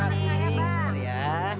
warna ini segera